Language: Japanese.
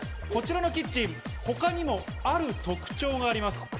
こちらのキッチン、他にもある特徴があります。